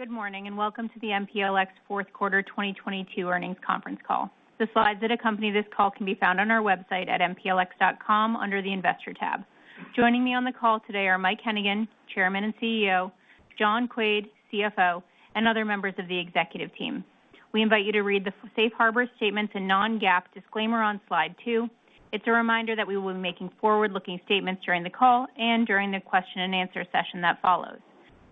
Good morning, welcome to the MPLX fourth quarter 2022 earnings conference call. The slides that accompany this call can be found on our website at mplx.com under the Investor tab. Joining me on the call today are Mike Hennigan, Chairman and CEO, John Quaid, CFO, and other members of the executive team. We invite you to read the safe harbor statements and non-GAAP disclaimer on slide two. It's a reminder that we will be making forward-looking statements during the call and during the question-and-answer session that follows.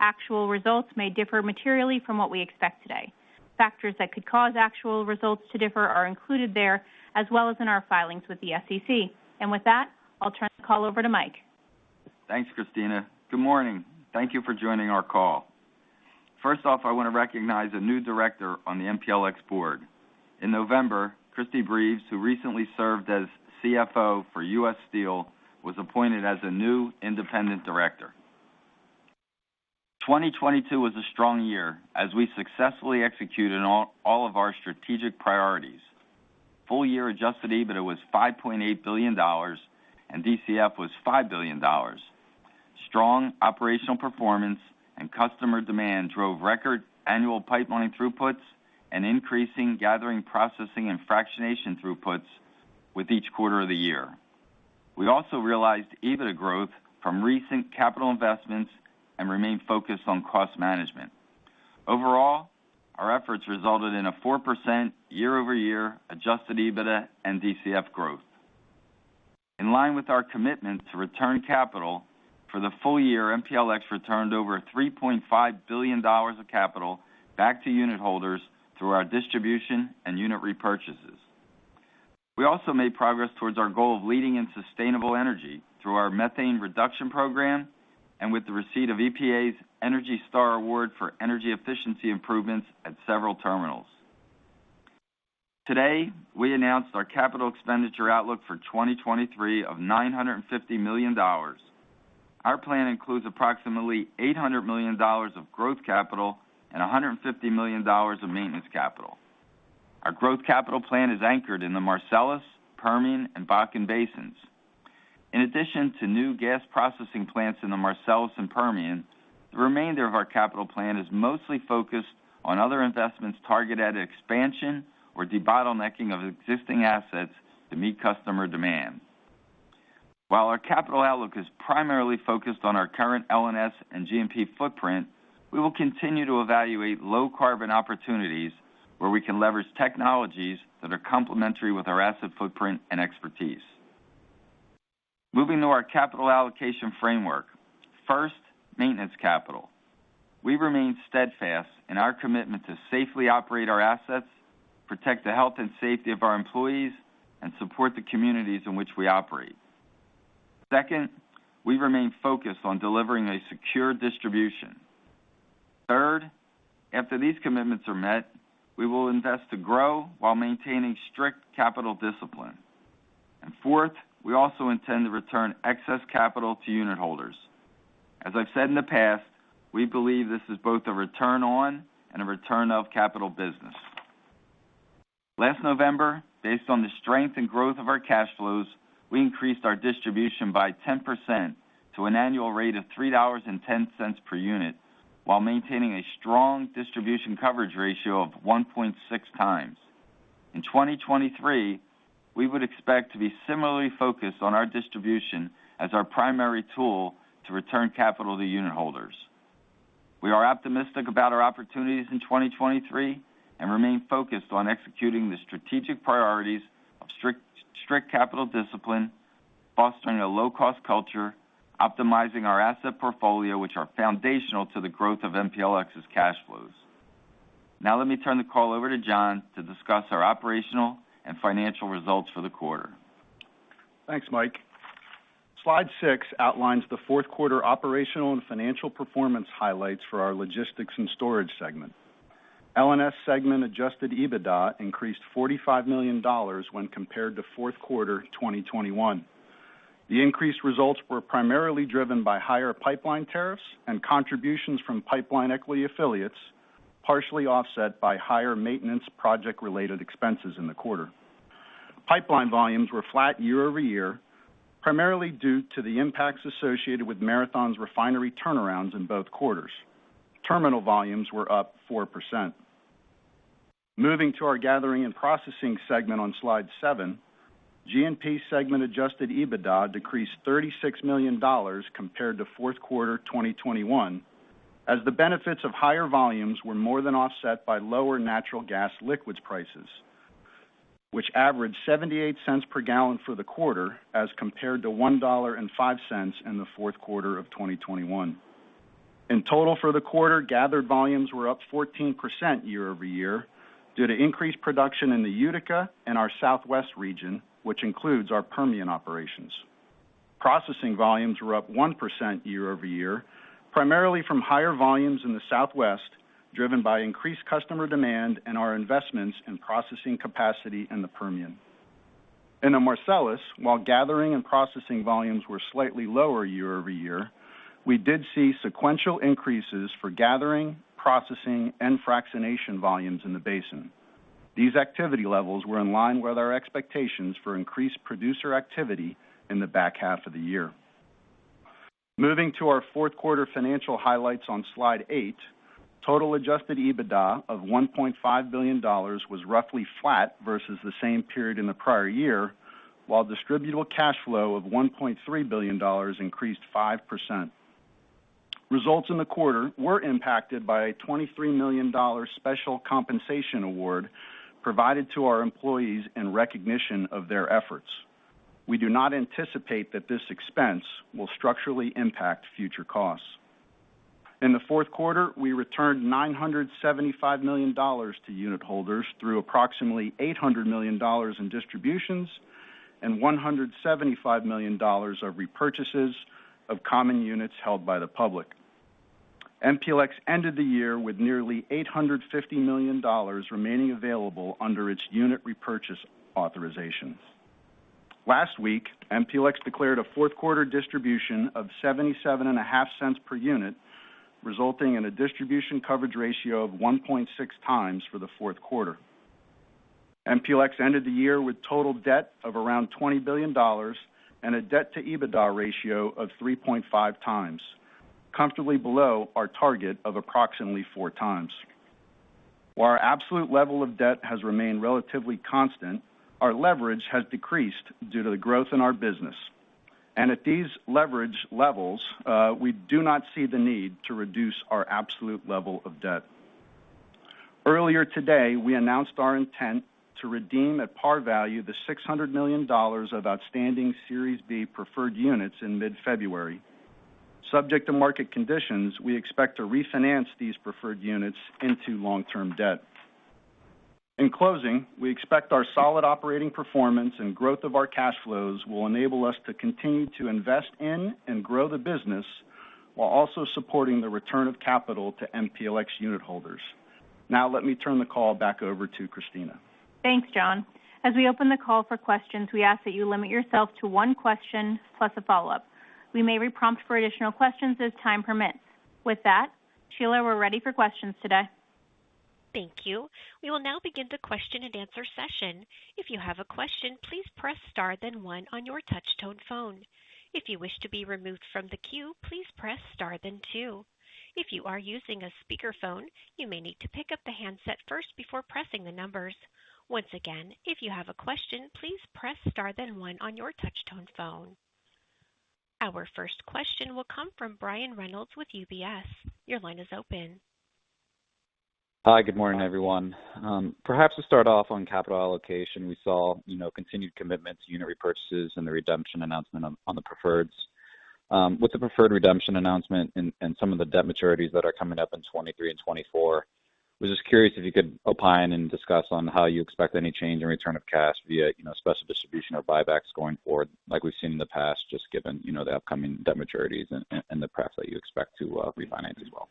Actual results may differ materially from what we expect today. Factors that could cause actual results to differ are included there, as well as in our filings with the SEC. With that, I'll turn the call over to Mike. Thanks, Christina. Good morning. Thank you for joining our call. First off, I want to recognize a new director on the MPLX board. In November, Christie Breves, who recently served as CFO for U.S. Steel, was appointed as a new independent director. 2022 was a strong year as we successfully executed on all of our strategic priorities. Full year adjusted EBITDA was $5.8 billion and DCF was $5 billion. Strong operational performance and customer demand drove record annual pipelining throughputs and increasing gathering, processing, and fractionation throughputs with each quarter of the year. We also realized EBITDA growth from recent capital investments and remained focused on cost management. Overall, our efforts resulted in a 4% year-over-year adjusted EBITDA and DCF growth. In line with our commitment to return capital for the full year, MPLX returned over $3.5 billion of capital back to unit holders through our distribution and unit repurchases. We also made progress towards our goal of leading in sustainable energy through our methane reduction program and with the receipt of EPA's ENERGY STAR award for energy efficiency improvements at several terminals. Today, we announced our capital expenditure outlook for 2023 of $950 million. Our plan includes approximately $800 million of growth capital and $150 million of maintenance capital. Our growth capital plan is anchored in the Marcellus, Permian, and Bakken basins. In addition to new gas processing plants in the Marcellus and Permian, the remainder of our capital plan is mostly focused on other investments targeted at expansion or debottlenecking of existing assets to meet customer demand. While our capital outlook is primarily focused on our current L&S and G&P footprint, we will continue to evaluate low carbon opportunities where we can leverage technologies that are complementary with our asset footprint and expertise. Moving to our capital allocation framework. First, maintenance capital. We remain steadfast in our commitment to safely operate our assets, protect the health and safety of our employees, and support the communities in which we operate. Second, we remain focused on delivering a secure distribution. Third, after these commitments are met, we will invest to grow while maintaining strict capital discipline. Fourth, we also intend to return excess capital to unit holders. As I've said in the past, we believe this is both a return on and a return of capital business. Last November, based on the strength and growth of our cash flows, we increased our distribution by 10% to an annual rate of $3.10 per unit, while maintaining a strong distribution coverage ratio of 1.6 times. In 2023, we would expect to be similarly focused on our distribution as our primary tool to return capital to unit holders. We are optimistic about our opportunities in 2023 and remain focused on executing the strategic priorities of strict capital discipline, fostering a low-cost culture, optimizing our asset portfolio, which are foundational to the growth of MPLX's cash flows. Let me turn the call over to John to discuss our operational and financial results for the quarter. Thanks, Mike. Slide six outlines the fourth quarter operational and financial performance highlights for our logistics and storage segment. L&S segment adjusted EBITDA increased $45 million when compared to fourth quarter 2021. The increased results were primarily driven by higher pipeline tariffs and contributions from pipeline equity affiliates, partially offset by higher maintenance project-related expenses in the quarter. Pipeline volumes were flat year-over-year, primarily due to the impacts associated with Marathon's refinery turnarounds in both quarters. Terminal volumes were up 4%. Moving to our gathering and processing segment on slide seven, G&P segment adjusted EBITDA decreased $36 million compared to fourth quarter 2021 as the benefits of higher volumes were more than offset by lower natural gas liquids prices, which averaged $0.78 per gallon for the quarter as compared to $1.05 in the fourth quarter of 2021. In total for the quarter, gathered volumes were up 14% year-over-year due to increased production in the Utica and our Southwest region, which includes our Permian operations. Processing volumes were up 1% year-over-year, primarily from higher volumes in the Southwest, driven by increased customer demand and our investments in processing capacity in the Permian. In the Marcellus, while gathering and processing volumes were slightly lower year-over-year, we did see sequential increases for gathering, processing, and fractionation volumes in the basin. These activity levels were in line with our expectations for increased producer activity in the back half of the year. Moving to our fourth quarter financial highlights on slide eight. Total adjusted EBITDA of $1.5 billion was roughly flat versus the same period in the prior year, while distributable cash flow of $1.3 billion increased 5%. Results in the quarter were impacted by a $23 million special compensation award provided to our employees in recognition of their efforts. We do not anticipate that this expense will structurally impact future costs. In the fourth quarter, we returned $975 million to unit holders through approximately $800 million in distributions and $175 million of repurchases of common units held by the public. MPLX ended the year with nearly $850 million remaining available under its unit repurchase authorizations. Last week, MPLX declared a fourth quarter distribution of $0.775 per unit, resulting in a distribution coverage ratio of 1.6 times for the fourth quarter. MPLX ended the year with total debt of around $20 billion and a debt to EBITDA ratio of 3.5 times, comfortably below our target of approximately four times. While our absolute level of debt has remained relatively constant, our leverage has decreased due to the growth in our business. At these leverage levels, we do not see the need to reduce our absolute level of debt. Earlier today, we announced our intent to redeem at par value the $600 million of outstanding Series B preferred units in mid-February. Subject to market conditions, we expect to refinance these preferred units into long-term debt. In closing, we expect our solid operating performance and growth of our cash flows will enable us to continue to invest in and grow the business while also supporting the return of capital to MPLX unit holders. Now let me turn the call back over to Christina. Thanks, John. As we open the call for questions, we ask that you limit yourself to one question plus a follow-up. We may re-prompt for additional questions as time permits. With that, Sheila, we're ready for questions today. Thank you. We will now begin the question and answer session. If you have a question, please press star then one on your touch tone phone. If you wish to be removed from the queue, please press star then two. If you are using a speakerphone, you may need to pick up the handset first before pressing the numbers. Once again, if you have a question, please press star then one on your touch tone phone. Our first question will come from Brian Reynolds with UBS. Your line is open. Hi, good morning, everyone. Perhaps to start off on capital allocation, we saw, you know, continued commitments, unit repurchases and the redemption announcement on the Preferreds. With the Preferred redemption announcement and some of the debt maturities that are coming up in 2023 and 2024, was just curious if you could opine and discuss on how you expect any change in return of cash via, you know, special distribution or buybacks going forward, like we've seen in the past, just given, you know, the upcoming debt maturities and the Prep that you expect to refinance as well.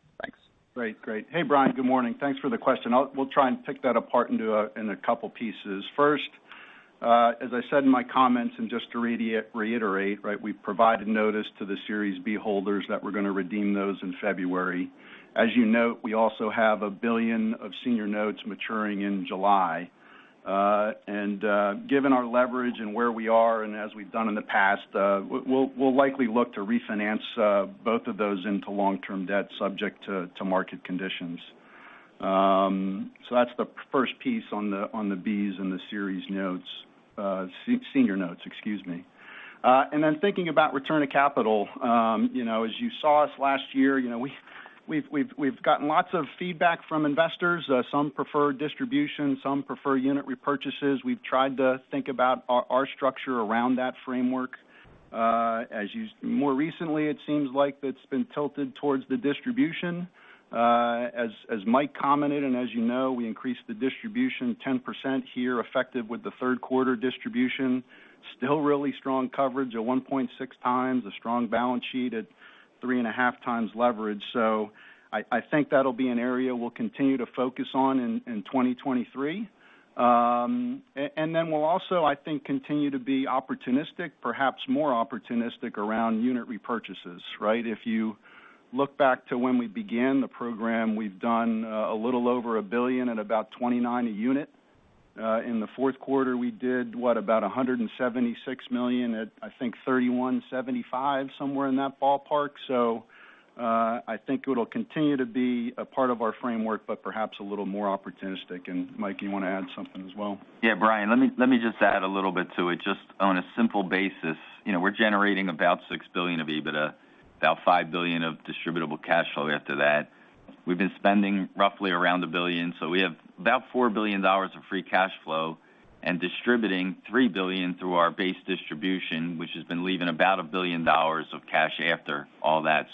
Thanks. Great. Hey, Brian. Good morning. Thanks for the question. We'll try and pick that apart into a couple pieces. First, as I said in my comments, and just to reiterate, right, we provided notice to the Series B holders that we're going to redeem those in February. As you note, we also have $1 billion of senior notes maturing in July. Given our leverage and where we are and as we've done in the past, we'll likely look to refinance both of those into long-term debt subject to market conditions. So that's the first piece on the Bs and the series notes, senior notes, excuse me. Thinking about return of capital, you know, as you saw us last year, you know, we've gotten lots of feedback from investors. Some prefer distribution, some prefer unit repurchases. We've tried to think about our structure around that framework. As you more recently, it seems like that's been tilted towards the distribution. As Mike commented and as you know, we increased the distribution 10% here, effective with the third quarter distribution. Still really strong coverage at 1.6 times, a strong balance sheet at 3.5 times leverage. I think that'll be an area we'll continue to focus on in 2023. And then we'll also, I think, continue to be opportunistic, perhaps more opportunistic around unit repurchases, right? If you look back to when we began the program, we've done a little over $1 billion at about $29 a unit. In the fourth quarter, we did, what, about $176 million at, I think, $31.75, somewhere in that ballpark. I think it'll continue to be a part of our framework, but perhaps a little more opportunistic. Mike, you wanna add something as well? Yeah, Brian, let me just add a little bit to it. Just on a simple basis, you know, we're generating about $6 billion of EBITDA, about $5 billion of distributable cash flow after that. We've been spending roughly around $1 billion. We have about $4 billion of free cash flow and distributing $3 billion through our base distribution, which has been leaving about $1 billion of cash after all that.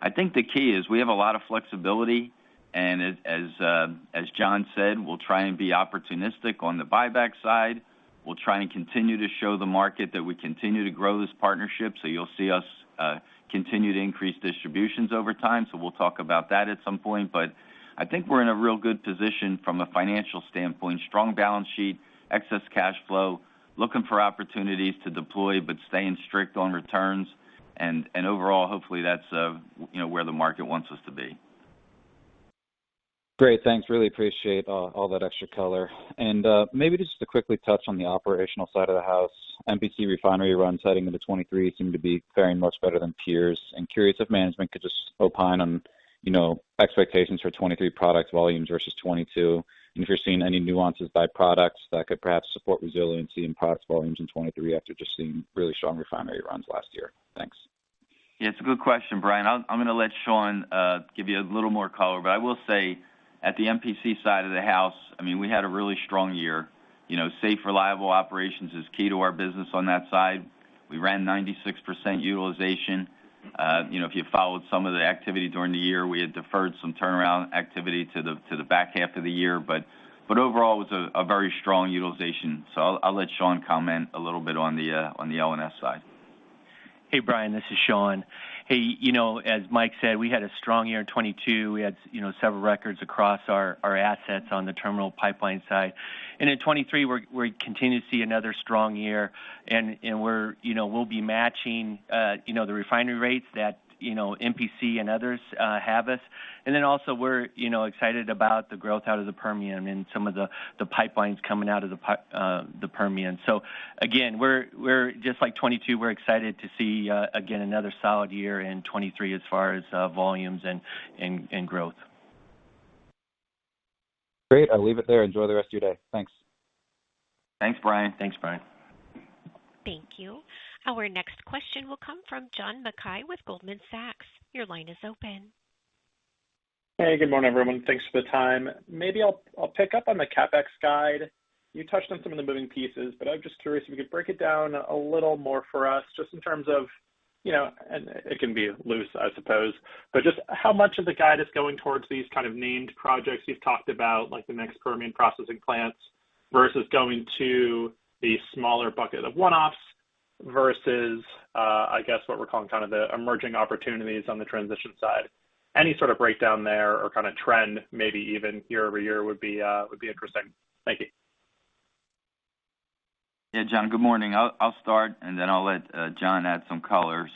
I think the key is we have a lot of flexibility, and as John said, we'll try and be opportunistic on the buyback side. We'll try and continue to show the market that we continue to grow this partnership. You'll see us continue to increase distributions over time. We'll talk about that at some point. I think we're in a real good position from a financial standpoint, strong balance sheet, excess cash flow, looking for opportunities to deploy, but staying strict on returns. Overall, hopefully that's, you know, where the market wants us to be. Great. Thanks. Really appreciate all that extra color. Maybe just to quickly touch on the operational side of the house, MPC refinery run setting into 2023 seemed to be faring much better than peers. I'm curious if management could just opine on, you know, expectations for 2023 product volumes versus 2022, and if you're seeing any nuances by products that could perhaps support resiliency in product volumes in 2023 after just seeing really strong refinery runs last year. Thanks. Yeah, it's a good question, Brian. I'm gonna let Shawn give you a little more color. I will say at the MPC side of the house, I mean, we had a really strong year. You know, safe, reliable operations is key to our business on that side. We ran 96% utilization. You know, if you followed some of the activity during the year, we had deferred some turnaround activity to the back half of the year. Overall, it was a very strong utilization. I'll let Shawn comment a little bit on the LNS side. Hey, Brian, this is Shawn. Hey, you know, as Mike said, we had a strong year in 2022. We had, you know, several records across our assets on the terminal pipeline side. In 2023, we're continuing to see another strong year. We're, you know, we'll be matching, you know, the refinery rates that, you know, MPC and others have us. Then also we're, you know, excited about the growth out of the Permian and some of the pipelines coming out of the Permian. Again, we're just like 2022, we're excited to see again, another solid year in 2023 as far as volumes and growth. Great. I'll leave it there. Enjoy the rest of your day. Thanks. Thanks, Brian. Thanks, Brian. Thank you. Our next question will come from John Mackay with Goldman Sachs. Your line is open. Hey, good morning, everyone. Thanks for the time. Maybe I'll pick up on the CapEx guide. You touched on some of the moving pieces, but I'm just curious if you could break it down a little more for us just in terms of, you know, and it can be loose, I suppose, but just how much of the guide is going towards these kind of named projects you've talked about, like the next Permian processing plants, versus going to the smaller bucket of one-offs versus, I guess, what we're calling kind of the emerging opportunities on the transition side. Any sort of breakdown there or kind of trend maybe even year-over-year would be interesting. Thank you. Yeah. John, good morning. I'll start, and then I'll let John add some color.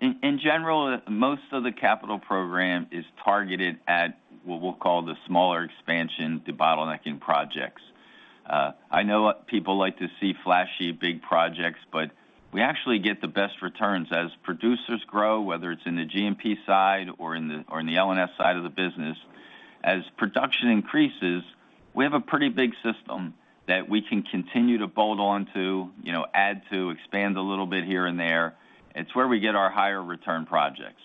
In general, most of the capital program is targeted at what we'll call the smaller expansion de-bottlenecking projects. I know people like to see flashy big projects, but we actually get the best returns as producers grow, whether it's in the GMP side or in the LNS side of the business. As production increases, we have a pretty big system that we can continue to bolt on to, you know, add to, expand a little bit here and there. It's where we get our higher return projects.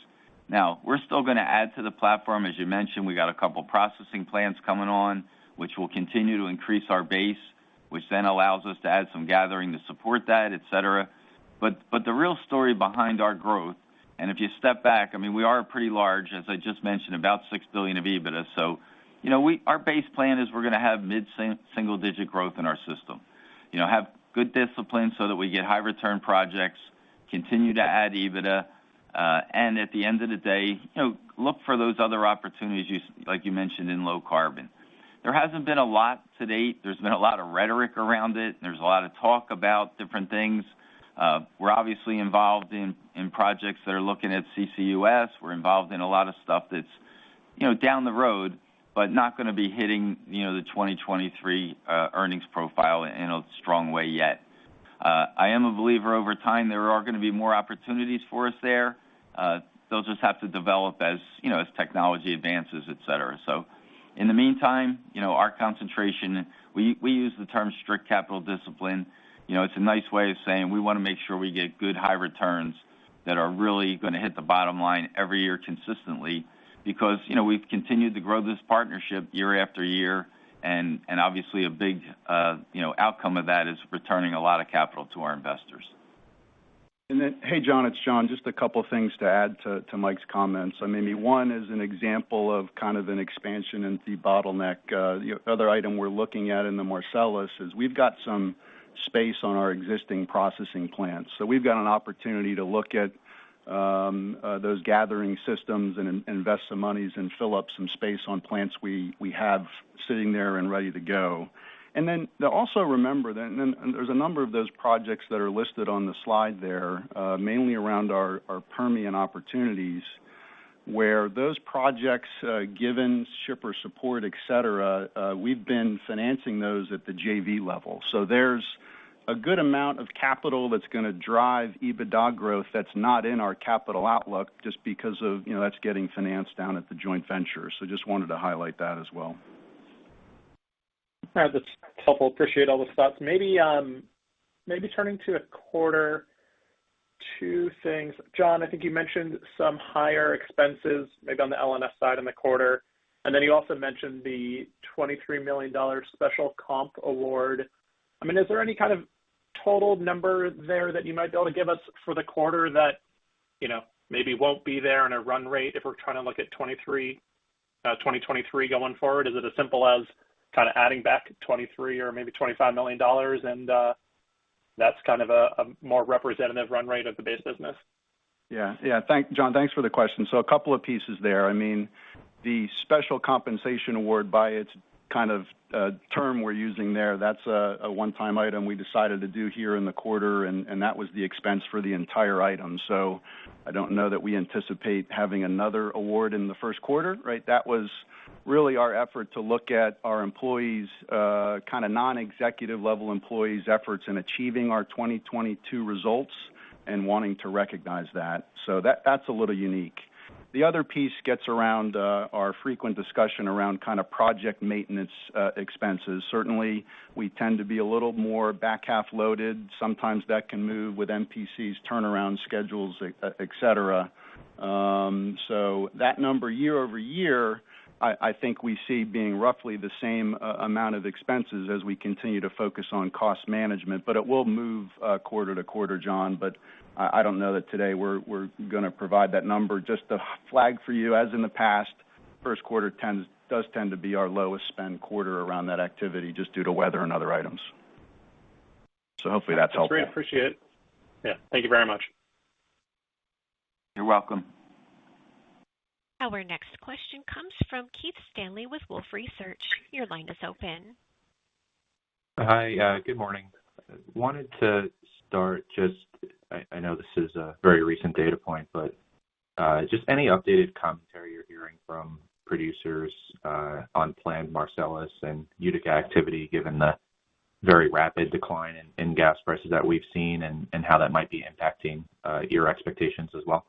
We're still gonna add to the platform. As you mentioned, we got a couple processing plants coming on, which will continue to increase our base, which then allows us to add some gathering to support that, et cetera. The real story behind our growth, and if you step back, I mean, we are pretty large, as I just mentioned, about $6 billion of EBITDA. You know, our base plan is we're gonna have mid-single digit growth in our system. You know, have good discipline so that we get high return projects, continue to add EBITDA, and at the end of the day, you know, look for those other opportunities like you mentioned in low carbon. There hasn't been a lot to date. There's been a lot of rhetoric around it. There's a lot of talk about different things. We're obviously involved in projects that are looking at CCUS. We're involved in a lot of stuff that's, you know, down the road, but not gonna be hitting, you know, the 2023 earnings profile in a strong way yet. I am a believer over time there are gonna be more opportunities for us there. They'll just have to develop as, you know, as technology advances, et cetera. In the meantime, you know, our concentration, we use the term strict capital discipline. You know, it's a nice way of saying we wanna make sure we get good high returns that are really gonna hit the bottom line every year consistently. You know, we've continued to grow this partnership year after year, and obviously a big, you know, outcome of that is returning a lot of capital to our investors. Hey, John, it's Sean. Just a couple things to add to Mike's comments. I mean, one is an example of kind of an expansion in debottleneck. The other item we're looking at in the Marcellus is we've got some space on our existing processing plants. We've got an opportunity to look at those gathering systems and invest some monies and fill up some space on plants we have sitting there and ready to go. Also remember that there's a number of those projects that are listed on the slide there, mainly around our Permian opportunities, where those projects, given shipper support, et cetera, we've been financing those at the JV level. There's a good amount of capital that's gonna drive EBITDA growth that's not in our capital outlook just because of, you know, that's getting financed down at the joint venture. Just wanted to highlight that as well. All right. That's helpful. Appreciate all the thoughts. Maybe, maybe turning to a quarter, two things. John, I think you mentioned some higher expenses maybe on the LNS side in the quarter, and then you also mentioned the $23 million special comp award. I mean, is there any kind of total number there that you might be able to give us for the quarter that, you know, maybe won't be there in a run rate if we're trying to look at 2023 going forward? Is it as simple as kind of adding back $23 million or maybe $25 million, and that's kind of a more representative run rate of the base business? Yeah. Yeah. John, thanks for the question. A couple of pieces there. I mean, the special compensation award by its kind of term we're using there, that's a one-time item we decided to do here in the quarter, and that was the expense for the entire item. I don't know that we anticipate having another award in the first quarter, right? That was Really our effort to look at our employees, kind of non-executive level employees efforts in achieving our 2022 results and wanting to recognize that. That's a little unique. The other piece gets around, our frequent discussion around kind of project maintenance, expenses. Certainly, we tend to be a little more back-half loaded. Sometimes that can move with MPC's turnaround schedules, et cetera. That number year-over-year, I think we see being roughly the same amount of expenses as we continue to focus on cost management. It will move, quarter-to-quarter, John, I don't know that today we're gonna provide that number. Just to flag for you, as in the past, first quarter does tend to be our lowest spend quarter around that activity just due to weather and other items. Hopefully that's helpful. That's great. Appreciate it. Yeah. Thank you very much. You're welcome. Our next question comes from Keith Stanley with Wolfe Research. Your line is open. Hi. Good morning. Wanted to start just I know this is a very recent data point, but just any updated commentary you're hearing from producers on planned Marcellus and Utica activity given the very rapid decline in gas prices that we've seen and how that might be impacting your expectations as well.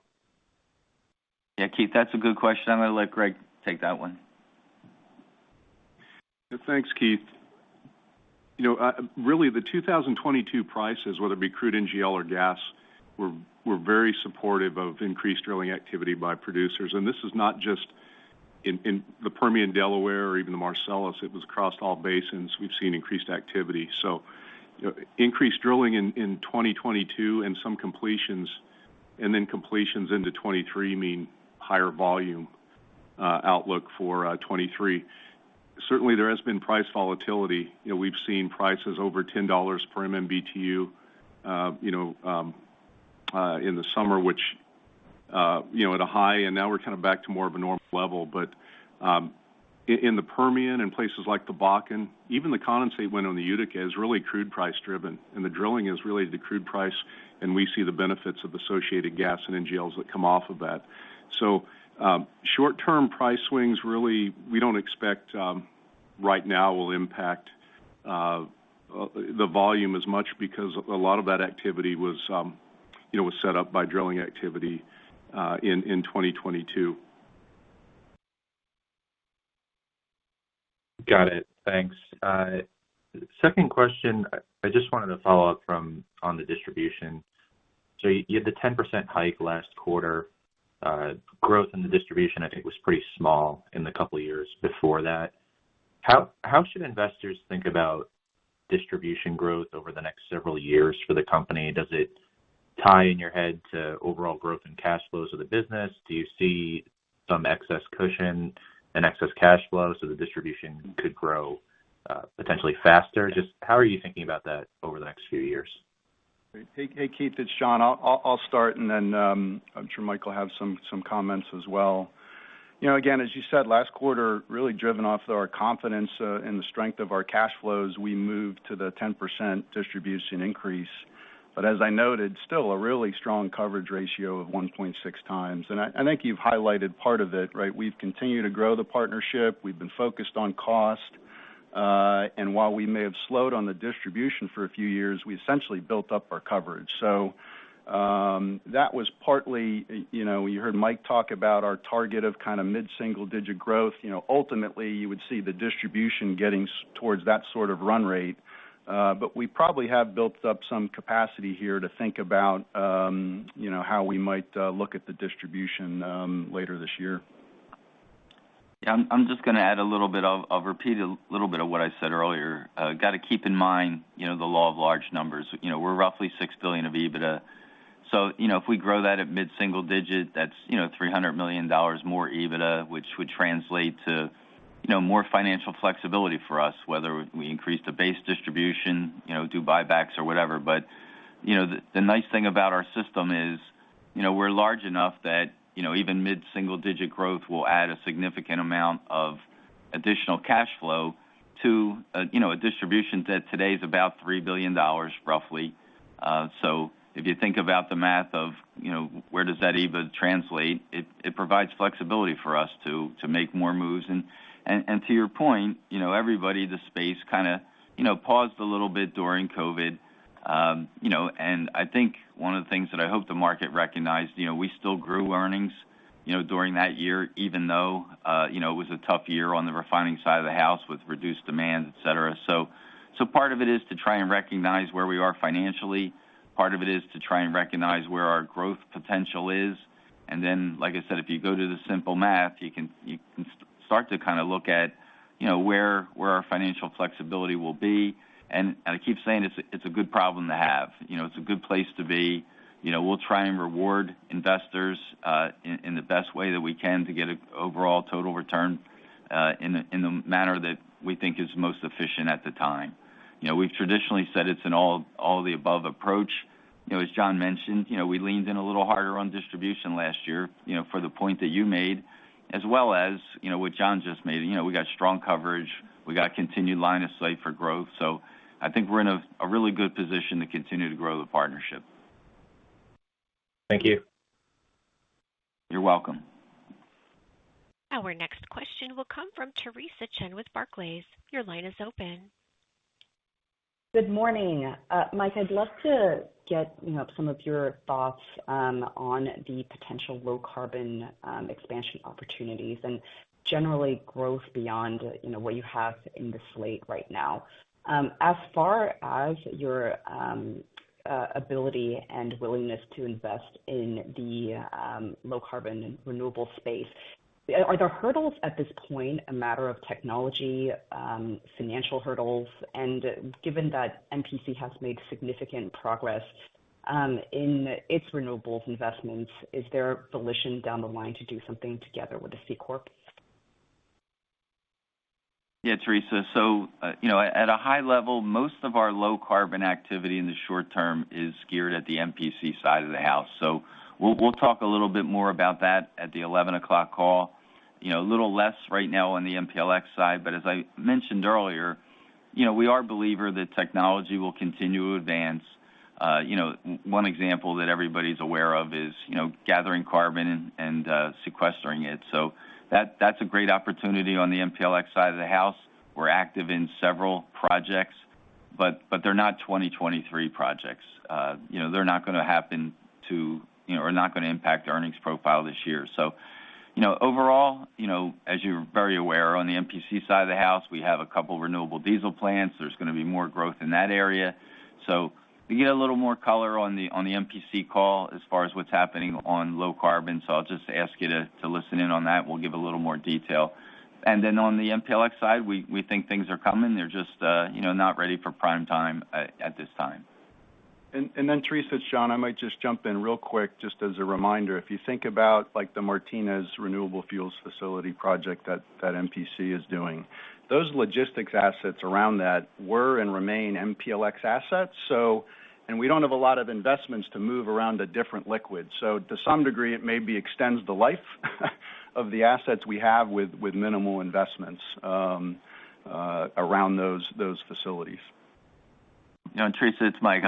Yeah, Keith, that's a good question. I'm gonna let Greg take that one. Thanks, Keith. You know, really the 2022 prices, whether it be crude NGL or gas, were very supportive of increased drilling activity by producers. This is not just in the Permian Delaware or even the Marcellus, it was across all basins. We've seen increased activity. Increased drilling in 2022 and some completions, and then completions into 2023 mean higher volume outlook for 2023. Certainly, there has been price volatility. You know, we've seen prices over $10 per MMBtu, you know, in the summer, which, you know, at a high, and now we're kind of back to more of a normal level. In the Permian, in places like the Bakken, even the condensate window in the Utica is really crude price-driven, and the drilling is really the crude price, and we see the benefits of associated gas and NGLs that come off of that. Short-term price swings, really, we don't expect right now will impact the volume as much because a lot of that activity was, you know, was set up by drilling activity in 2022. Got it. Thanks. Second question, I just wanted to follow up on the distribution. You had the 10% hike last quarter. Growth in the distribution, I think, was pretty small in the couple of years before that. How should investors think about distribution growth over the next several years for the company? Does it tie in your head to overall growth and cash flows of the business? Do you see some excess cushion and excess cash flow so the distribution could grow potentially faster? Just how are you thinking about that over the next few years? Hey, Keith, it's John. I'll start, and then, I'm sure Mike will have some comments as well. You know, again, as you said, last quarter really driven off our confidence in the strength of our cash flows. We moved to the 10% distribution increase. As I noted, still a really strong coverage ratio of 1.6 times. I think you've highlighted part of it, right? We've continued to grow the partnership. We've been focused on cost. While we may have slowed on the distribution for a few years, we essentially built up our coverage. That was partly, you heard Mike talk about our target of kind of mid-single-digit growth. You know, ultimately, you would see the distribution getting towards that sort of run rate. We probably have built up some capacity here to think about, you know, how we might look at the distribution later this year. I'm just gonna add a little bit of repeat a little bit of what I said earlier. Got to keep in mind, you know, the law of large numbers. You know, we're roughly $6 billion of EBITDA. You know, if we grow that at mid-single digit, that's, you know, $300 million more EBITDA, which would translate to, you know, more financial flexibility for us, whether we increase the base distribution, you know, do buybacks or whatever. You know, the nice thing about our system is, you know, we're large enough that, you know, even mid-single digit growth will add a significant amount of additional cash flow to, you know, a distribution that today is about $3 billion roughly. If you think about the math of, you know, where does that EBITDA translate, it provides flexibility for us to make more moves. To your point, you know, everybody, the space kinda, you know, paused a little bit during COVID. You know, I think one of the things that I hope the market recognized, you know, we still grew earnings, you know, during that year, even though, you know, it was a tough year on the refining side of the house with reduced demand, et cetera. Part of it is to try and recognize where we are financially. Part of it is to try and recognize where our growth potential is. Then, like I said, if you go to the simple math, you can start to kind of look at, you know, where our financial flexibility will be. I keep saying it's a good problem to have. You know, it's a good place to be. You know, we'll try and reward investors in the best way that we can to get an overall total return in the manner that we think is most efficient at the time. You know, we've traditionally said it's an all of the above approach. You know, as John mentioned, you know, we leaned in a little harder on distribution last year, you know, for the point that you made, as well as, you know, what John just made. You know, we got strong coverage. We got continued line of sight for growth. I think we're in a really good position to continue to grow the partnership. Thank you. You're welcome. Our next question will come from Theresa Chen with Barclays. Your line is open. Good morning. Mike, I'd love to get, you know, some of your thoughts on the potential low carbon expansion opportunities and generally growth beyond, you know, what you have in the slate right now. As far as your ability and willingness to invest in the low carbon renewable space, are there hurdles at this point a matter of technology, financial hurdles? Given that MPC has made significant progress in its renewables investments, is there volition down the line to do something together with the C Corp? Yeah, Theresa. You know, at a high level, most of our low carbon activity in the short term is geared at the MPC side of the house. We'll talk a little bit more about that at the 11:00 call. You know, a little less right now on the MPLX side. As I mentioned earlier, you know, we are a believer that technology will continue to advance. You know, one example that everybody's aware of is, you know, gathering carbon and sequestering it. That's a great opportunity on the MPLX side of the house. We're active in several projects, but they're not 2023 projects. You know, they're not gonna impact our earnings profile this year. You know, overall, you know, as you're very aware, on the MPC side of the house, we have a couple of renewable diesel plants. There's gonna be more growth in that area. You get a little more color on the, on the MPC call as far as what's happening on low carbon. I'll just ask you to listen in on that. We'll give a little more detail. Then on the MPLX side, we think things are coming. They're just, you know, not ready for prime time at this time. Theresa, it's John. I might just jump in real quick, just as a reminder, if you think about like the Martinez Renewable Fuels facility project that MPC is doing, those logistics assets around that were and remain MPLX assets. We don't have a lot of investments to move around a different liquid. So to some degree, it maybe extends the life of the assets we have with minimal investments around those facilities. Theresa, it's Mike.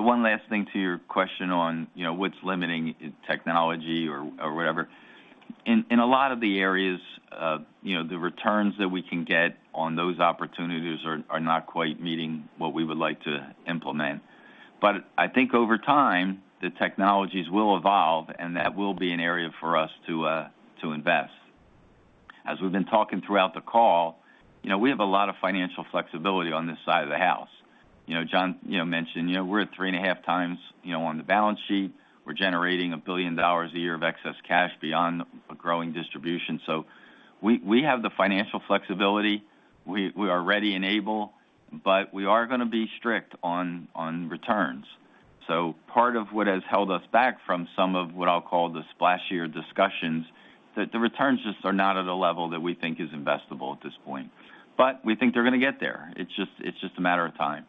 One last thing to your question on what's limiting technology or whatever. In a lot of the areas, the returns that we can get on those opportunities are not quite meeting what we would like to implement. I think over time, the technologies will evolve, and that will be an area for us to invest. As we've been talking throughout the call, we have a lot of financial flexibility on this side of the house. John mentioned we're at 3.5 times on the balance sheet. We're generating $1 billion a year of excess cash beyond a growing distribution. We have the financial flexibility. We are ready and able, but we are gonna be strict on returns. Part of what has held us back from some of what I'll call the splashier discussions, that the returns just are not at a level that we think is investable at this point. We think they're gonna get there. It's just a matter of time.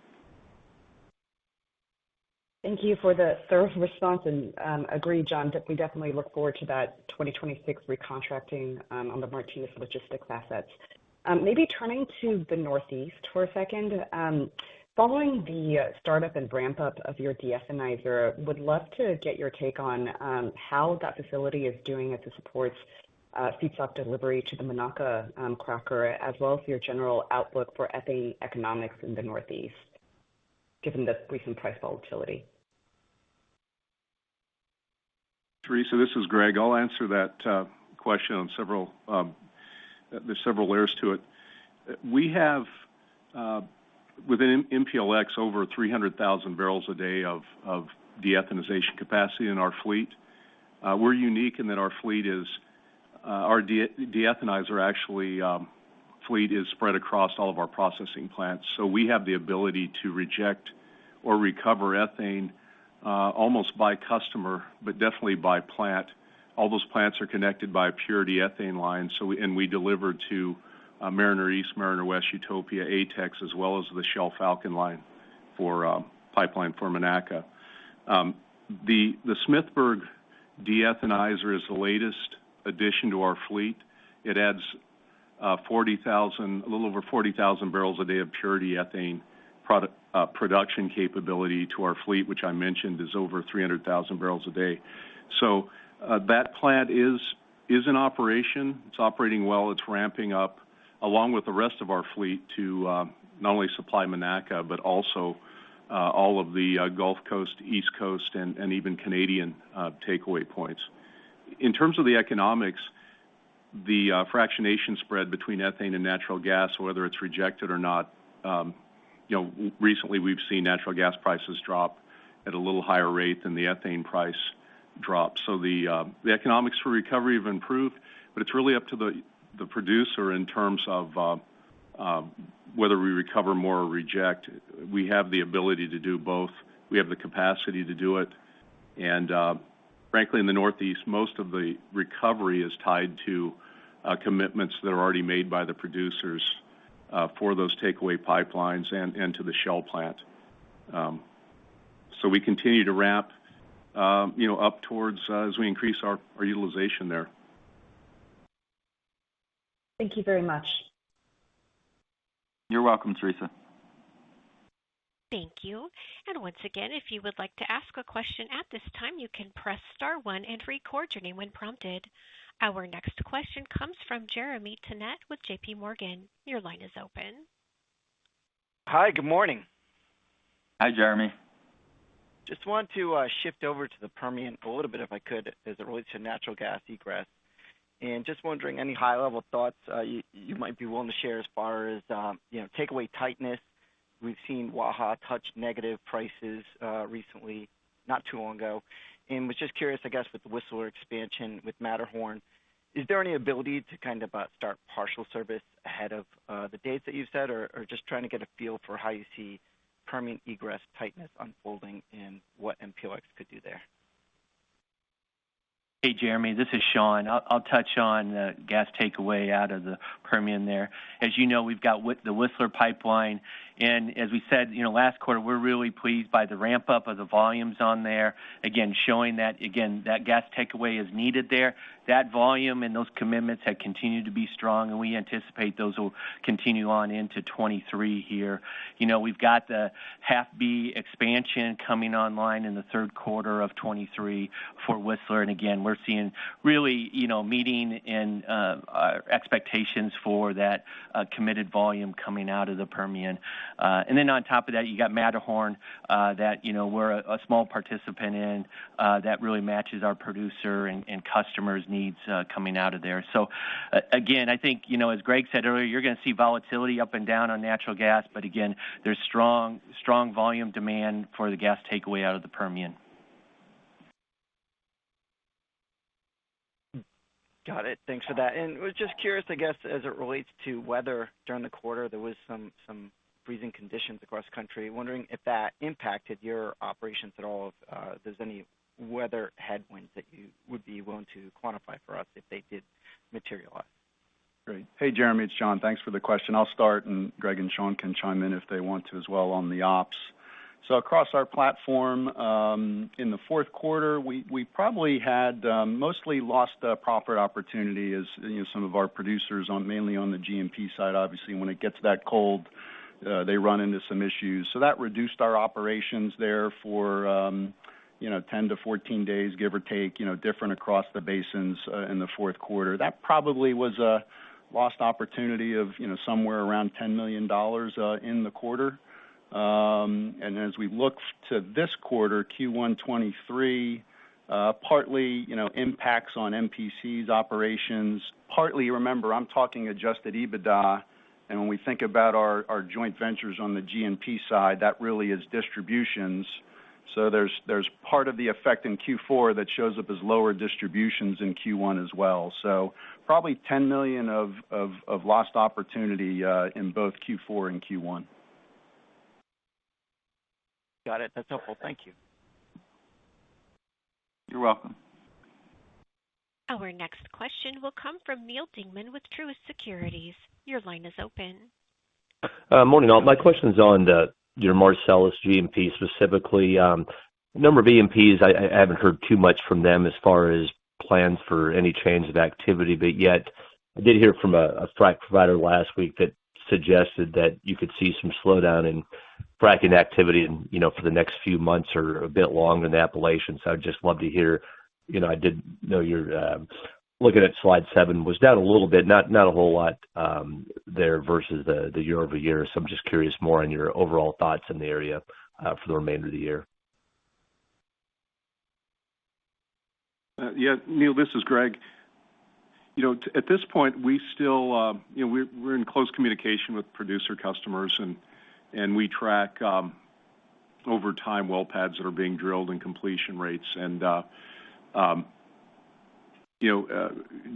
Thank you for the thorough response. Agree, John, we definitely look forward to that 2026 recontracting on the Martinez logistics assets. Maybe turning to the Northeast for a second. Following the startup and ramp-up of your deethanizer, would love to get your take on how that facility is doing as it supports feedstock delivery to the Monaca cracker, as well as your general outlook for ethane economics in the Northeast, given the recent price volatility. Teresa, this is Greg. I'll answer that question on several, there's several layers to it. We have, within MPLX, over 300,000 barrels a day of deethanization capacity in our fleet. We're unique in that our fleet is, our deethanizer actually, fleet is spread across all of our processing plants. We have the ability to reject or recover ethane almost by customer, but definitely by plant. All those plants are connected by a purity ethane line, and we deliver to Mariner East, Mariner West, Utopia, ATEX, as well as the Shell Falcon line for pipeline for Monaca. The Smithburg deethanizer is the latest addition to our fleet. It adds a little over 40,000 barrels a day of purity ethane product production capability to our fleet, which I mentioned is over 300,000 barrels a day. That plant is in operation. It's operating well. It's ramping up along with the rest of our fleet to not only supply Monaca, but also all of the Gulf Coast, East Coast, and even Canadian takeaway points. In terms of the economics, the fractionation spread between ethane and natural gas, whether it's rejected or not, you know, recently we've seen natural gas prices drop at a little higher rate than the ethane price drop. The economics for recovery have improved, but it's really up to the producer in terms of whether we recover more or reject. We have the ability to do both. We have the capacity to do it. Frankly, in the Northeast, most of the recovery is tied to commitments that are already made by the producers for those takeaway pipelines and to the Shell plant. We continue to ramp, you know, up towards as we increase our utilization there. Thank you very much. You're welcome, Teresa. Thank you. Once again, if you would like to ask a question at this time, you can press star one and record your name when prompted. Our next question comes from Jeremy Tonet with J.P. Morgan. Your line is open. Hi. Good morning. Hi, Jeremy. Just want to shift over to the Permian a little bit, if I could, as it relates to natural gas egress. Just wondering any high level thoughts you might be willing to share as far as, you know, takeaway tightness. We've seen Waha touch negative prices recently, not too long ago. Was just curious, I guess, with the Whistler expansion, with Matterhorn, is there any ability to kind of, start partial service ahead of, the dates that you've set? Or, just trying to get a feel for how you see Permian egress tightness unfolding and what MPLX could do there? Hey, Jeremy, this is Sean. I'll touch on the gas takeaway out of the Permian there. As you know, we've got with the Whistler Pipeline, and as we said, you know, last quarter, we're really pleased by the ramp up of the volumes on there. Again, showing that gas takeaway is needed there. That volume and those commitments have continued to be strong. We anticipate those will continue on into 2023 here. You know, we've got the 0.5 B expansion coming online in the third quarter of 2023 for Whistler. Again, we're seeing really, you know, meeting and expectations for that committed volume coming out of the Permian. Then on top of that, you got Matterhorn, that, you know, we're a small participant in, that really matches our producer and customers' needs coming out of there. Again, I think, you know, as Greg said earlier, you're gonna see volatility up and down on natural gas. Again, there's strong volume demand for the gas takeaway out of the Permian. Got it. Thanks for that. Was just curious, I guess, as it relates to weather during the quarter, there was some freezing conditions across country. Wondering if that impacted your operations at all, if there's any weather headwinds that you would be willing to quantify for us if they did materialize? Great. Hey, Jeremy, it's John. Thanks for the question. I'll start, and Greg and Sean can chime in if they want to as well on the ops. Across our platform, in the fourth quarter, we probably had mostly lost a proper opportunity as, you know, some of our producers mainly on the GMP side. Obviously, when it gets that cold, they run into some issues. That reduced our operations there for, you know, 10 to 14 days, give or take, you know, different across the basins in the fourth quarter. That probably was a lost opportunity of, you know, somewhere around $10 million in the quarter. As we look to this quarter, Q1 '23, partly, you know, impacts on MPC's operations. Partly, remember, I'm talking adjusted EBITDA. When we think about our joint ventures on the GMP side, that really is distributions. There's part of the effect in Q4 that shows up as lower distributions in Q1 as well. Probably $10 million of lost opportunity in both Q4 and Q1. Got it. That's helpful. Thank you. You're welcome. Our next question will come from Neal Dingmann with Truist Securities. Your line is open. Morning, all. My question's on your Marcellus G&P, specifically, a number of E&Ps, I haven't heard too much from them as far as plans for any change of activity. Yet I did hear from a frac provider last week that suggested that you could see some slowdown in fracking activity and, you know, for the next few months or a bit longer in the Appalachians. I'd just love to hear. You know, I did know your Looking at slide seven was down a little bit, not a whole lot there versus the year-over-year. I'm just curious more on your overall thoughts in the area for the remainder of the year. Yeah. Neal, this is Greg. You know, at this point, we still, you know, we're in close communication with producer customers and we track over time well pads that are being drilled and completion rates.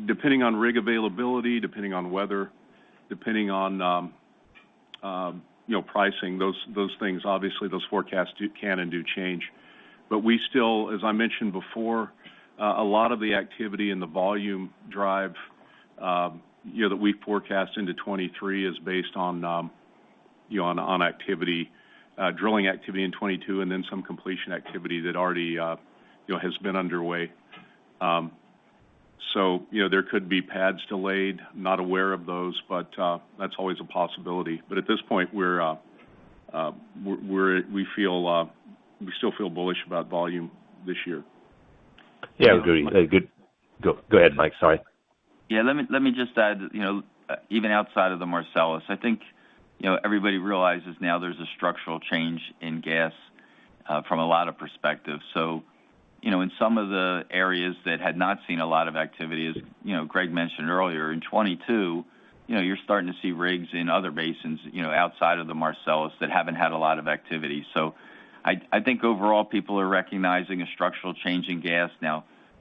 Depending on rig availability, depending on weather, depending on pricing, those things, obviously those forecasts can and do change. We still, as I mentioned before, a lot of the activity and the volume drive, you know, that we forecast into 2023 is based on, you know, on activity, drilling activity in 2022 and then some completion activity that already, you know, has been underway. So, you know, there could be pads delayed, not aware of those, but that's always a possibility. At this point, we're, we feel, we still feel bullish about volume this year. Yeah, I would agree. Go ahead, Mike. Sorry. Yeah, let me just add, you know, even outside of the Marcellus, I think, you know, everybody realizes now there's a structural change in gas from a lot of perspectives. In some of the areas that had not seen a lot of activity, as, you know, Greg mentioned earlier, in 2022, you know, you're starting to see rigs in other basins, you know, outside of the Marcellus that haven't had a lot of activity. I think overall, people are recognizing a structural change in gas.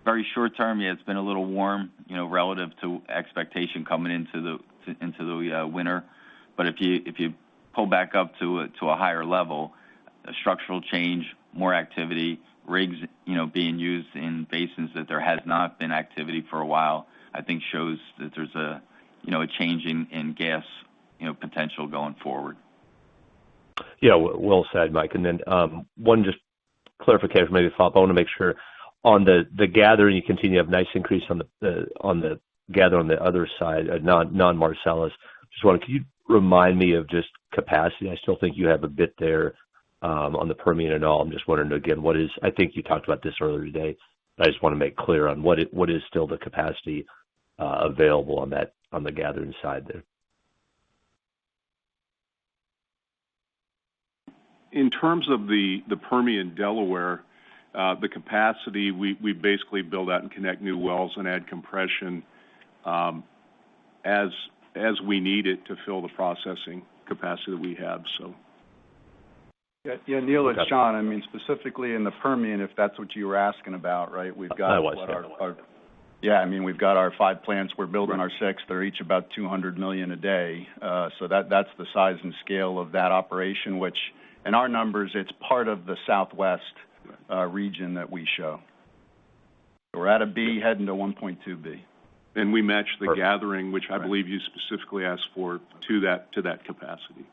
Very short term, yeah, it's been a little warm, you know, relative to expectation coming into the winter. If you pull back up to a higher level, a structural change, more activity, rigs, you know, being used in basins that there has not been activity for a while, I think shows that there's a, you know, a change in gas, you know, potential going forward. Yeah. Well said, Mike. One just clarification, maybe a follow-up. I want to make sure on the gathering, you continue to have nice increase on the, on the gather on the other side, non-Marcellus. Could you remind me of just capacity? I still think you have a bit there, on the Permian and all. I'm just wondering again what is I think you talked about this earlier today, but I just want to make clear on what is, what is still the capacity available on that, on the gathering side there? In terms of the Permian Delaware, the capacity, we basically build out and connect new wells and add compression, as we need it to fill the processing capacity that we have. Yeah, Neal, it's Sean. I mean, specifically in the Permian, if that's what you were asking about, right? That was. Yeah. I mean, we've got our five plants. We're building our sixth. They're each about 200 million a day. So that's the size and scale of that operation, which in our numbers, it's part of the Southwest region that we show. We're at a B, heading to 1.2 B. we match the gathering, which I believe you specifically asked for to that capacity.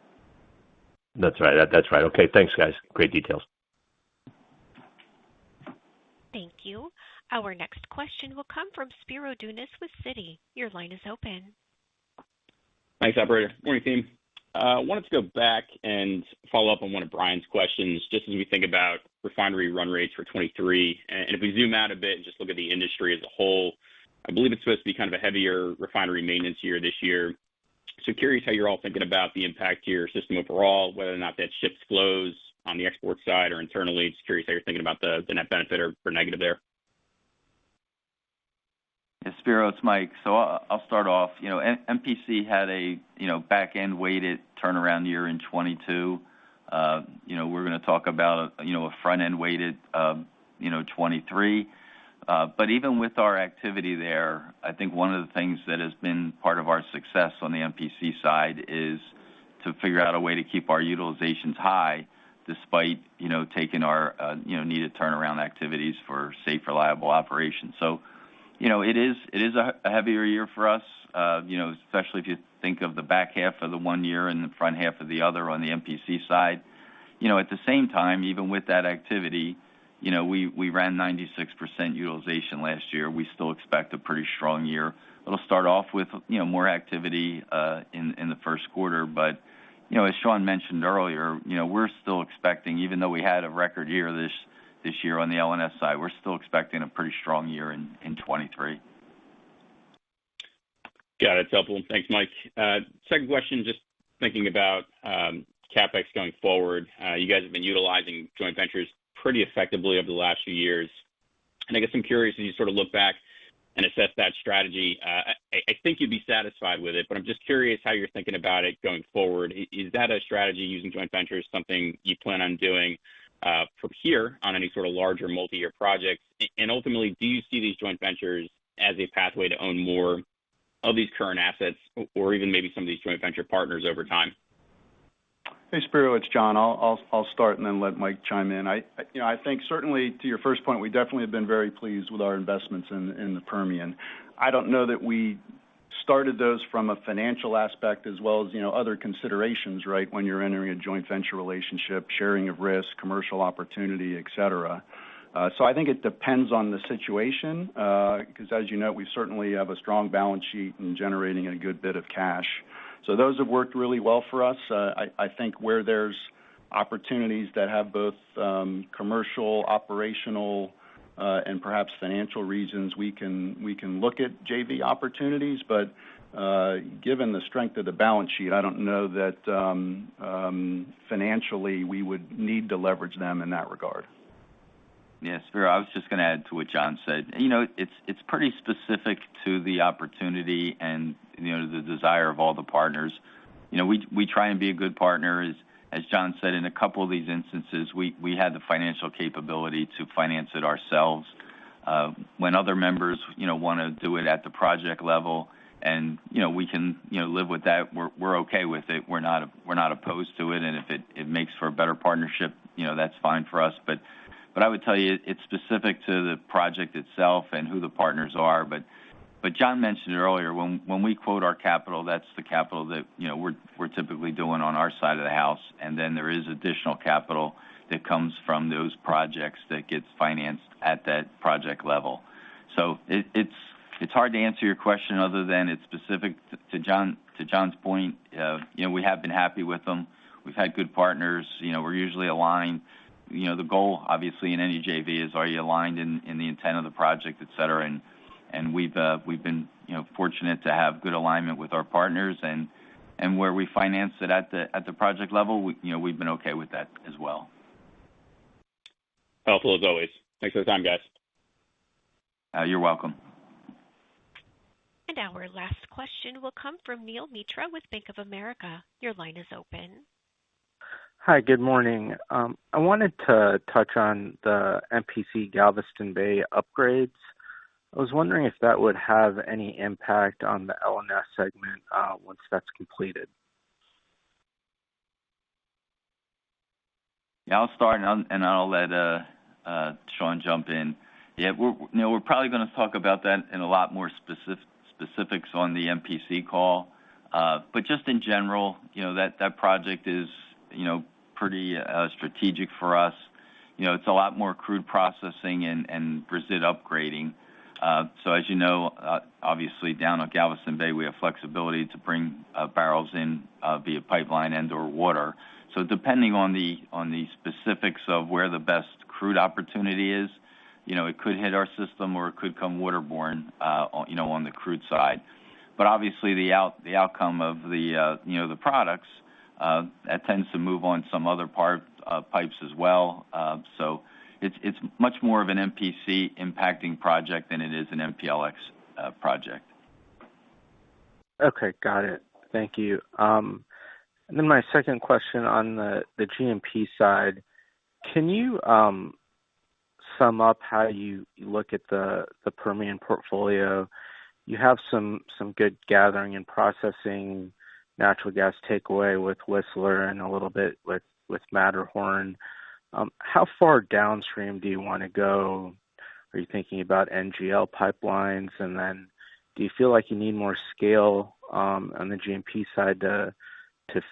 That's right. That's right. Okay, thanks, guys. Great details. Thank you. Our next question will come from Spiro Dounis with Citi. Your line is open. Thanks, operator. Morning team. Wanted to go back and follow up on one of Brian's questions, just as we think about refinery run rates for 2023. If we zoom out a bit and just look at the industry as a whole, I believe it's supposed to be kind of a heavier refinery maintenance year this year. Curious how you're all thinking about the impact to your system overall, whether or not that shifts flows on the export side or internally. Curious how you're thinking about the net benefit or negative there. Spiro, it's Mike. I'll start off. You know, MPC had a back-end-weighted turnaround year in 22. You know, we're going to talk about a front-end-weighted, you know, 23. Even with our activity there, I think one of the things that has been part of our success on the MPC side is to figure out a way to keep our utilizations high despite, taking our needed turnaround activities for safe, reliable operations. You know, it is a heavier year for us, you know, especially if you think of the back half of the one year and the front half of the other on the MPC side. You know, at the same time, even with that activity, you know, we ran 96% utilization last year. We still expect a pretty strong year. It'll start off with, you know, more activity, in the first quarter. You know, as Sean mentioned earlier, you know, we're still expecting, even though we had a record year this year on the LNS side, we're still expecting a pretty strong year in 2023. Got it. It's helpful. Thanks, Mike. Second question, just thinking about CapEx going forward. You guys have been utilizing joint ventures pretty effectively over the last few years. I guess I'm curious, as you sort of look back and assess that strategy, I think you'd be satisfied with it, but I'm just curious how you're thinking about it going forward. Is that a strategy using joint ventures something you plan on doing from here on any sort of larger multi-year projects? Ultimately, do you see these joint ventures as a pathway to own more of these current assets or even maybe some of these joint venture partners over time? Hey, Spiro, it's John. I'll start and then let Mike chime in. You know, I think certainly to your first point, we definitely have been very pleased with our investments in the Permian. I don't know that we started those from a financial aspect as well as, you know, other considerations, right? When you're entering a joint venture relationship, sharing of risk, commercial opportunity, et cetera. I think it depends on the situation, 'cause as you know, we certainly have a strong balance sheet in generating a good bit of cash. Those have worked really well for us. I think where there's opportunities that have both commercial, operational, and perhaps financial reasons, we can look at JV opportunities. given the strength of the balance sheet, I don't know that financially we would need to leverage them in that regard. Yeah. Spiro, I was just gonna add to what John said. You know, it's pretty specific to the opportunity and, you know, the desire of all the partners. You know, we try and be a good partner. As John said, in a couple of these instances, we had the financial capability to finance it ourselves. When other members, you know, wanna do it at the project level, and, you know, we can, you know, live with that, we're okay with it. We're not, we're not opposed to it. If it makes for a better partnership, you know, that's fine for us. I would tell you it's specific to the project itself and who the partners are. John mentioned earlier, when we quote our capital, that's the capital that, you know, we're typically doing on our side of the house. There is additional capital that comes from those projects that gets financed at that project level. It's hard to answer your question other than it's specific to John's point. You know, we have been happy with them. We've had good partners. You know, we're usually aligned. You know, the goal obviously in any JV is, are you aligned in the intent of the project, et cetera. We've been, you know, fortunate to have good alignment with our partners and where we finance it at the project level, we, you know, we've been okay with that as well. Helpful as always. Thanks for the time, guys. You're welcome. Our last question will come from Neel Mitra with Bank of America. Your line is open. Hi. Good morning. I wanted to touch on the MPC Galveston Bay upgrades. I was wondering if that would have any impact on the LNS segment, once that's completed. Yeah, I'll start, and I'll let Sean jump in. Yeah, you know, we're probably gonna talk about that in a lot more specifics on the MPC call. Just in general, you know, that project is, you know, pretty strategic for us. You know, it's a lot more crude processing and Brazil upgrading. As you know, obviously down at Galveston Bay, we have flexibility to bring barrels in via pipeline and/or water. Depending on the specifics of where the best crude opportunity is, you know, it could hit our system or it could come waterborne on, you know, on the crude side. Obviously the outcome of the, you know, the products that tends to move on some other pipes as well. It's much more of an MPC impacting project than it is an MPLX, project. Okay. Got it. Thank you. My second question on the G&P side, can you sum up how you look at the Permian portfolio? You have some good gathering and processing natural gas takeaway with Whistler and a little bit with Matterhorn. How far downstream do you wanna go? Are you thinking about NGL pipelines? Do you feel like you need more scale on the G&P side to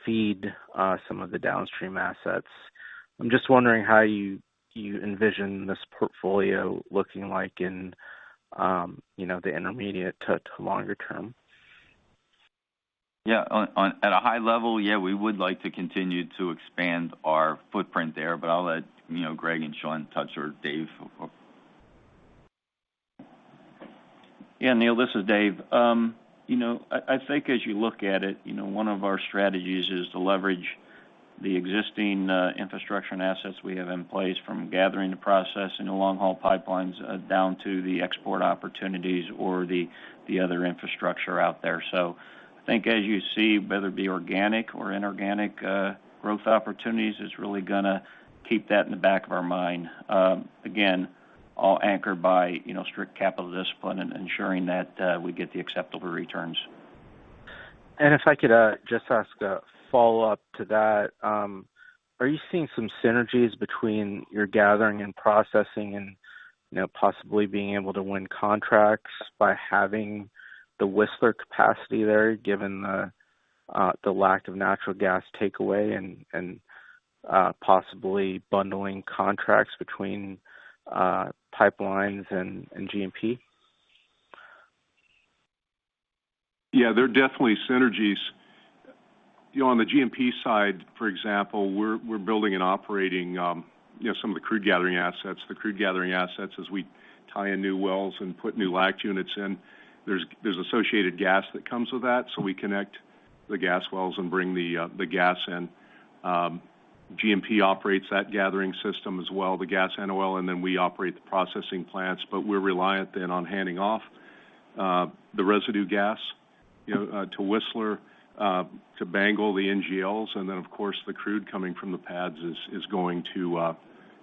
feed some of the downstream assets? I'm just wondering how you envision this portfolio looking like in, you know, the intermediate to longer term. Yeah. At a high level, yeah, we would like to continue to expand our footprint there, but I'll let you know, Greg and Sean touch or Dave. Yeah, Neal, this is Dave. you know, I think as you look at it, you know, one of our strategies is to leverage the existing infrastructure and assets we have in place from gathering to processing the long-haul pipelines down to the export opportunities or the other infrastructure out there. I think as you see, whether it be organic or inorganic, growth opportunities, it's really gonna keep that in the back of our mind, again, all anchored by, you know, strict capital discipline and ensuring that we get the acceptable returns. If I could just ask a follow-up to that. Are you seeing some synergies between your Gathering & Processing and, you know, possibly being able to win contracts by having the Whistler capacity there, given the lack of natural gas takeaway and possibly bundling contracts between pipelines and G&P? Yeah, there are definitely synergies. You know, on the G&P side, for example, we're building and operating, you know, some of the crude gathering assets. The crude gathering assets as we tie in new wells and put new LACT units in. There's associated gas that comes with that, so we connect the gas wells and bring the gas in. G&P operates that gathering system as well, the gas and oil, and then we operate the processing plants, but we're reliant then on handing off the residue gas, you know, to Whistler, to BANGL, the NGLs, and then of course the crude coming from the pads is going to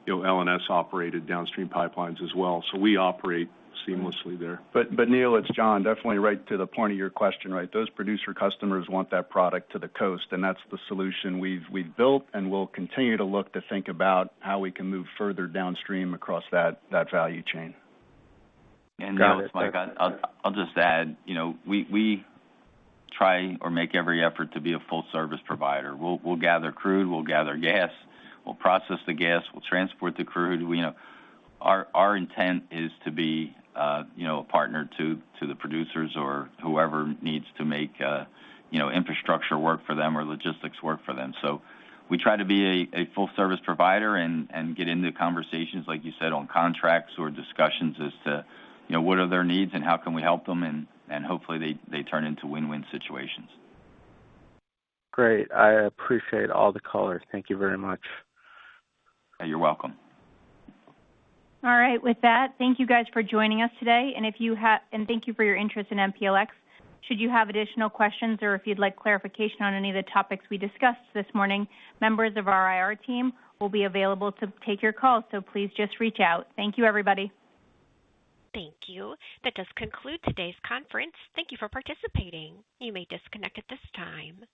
L&S-operated downstream pipelines as well. We operate seamlessly there. But Neal, it's John. Definitely right to the point of your question, right? Those producer customers want that product to the coast, and that's the solution we've built and will continue to look to think about how we can move further downstream across that value chain. Got it. Neal, it's Mike. I'll just add, you know, we try or make every effort to be a full service provider. We'll gather crude, we'll gather gas, we'll process the gas, we'll transport the crude. You know, our intent is to be, you know, a partner to the producers or whoever needs to make, you know, infrastructure work for them or logistics work for them. We try to be a full service provider and get into conversations, like you said, on contracts or discussions as to, you know, what are their needs and how can we help them and hopefully they turn into win-win situations. Great. I appreciate all the color. Thank you very much. You're welcome. All right. With that, thank you guys for joining us today. Thank you for your interest in MPLX. Should you have additional questions or if you'd like clarification on any of the topics we discussed this morning, members of our IR team will be available to take your call. Please just reach out. Thank you, everybody. Thank you. That does conclude today's conference. Thank you for participating. You may disconnect at this time.